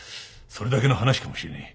それだけの話かもしれねえ。